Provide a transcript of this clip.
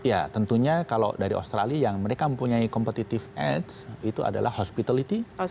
ya tentunya kalau dari australia yang mereka mempunyai competitive aids itu adalah hospitality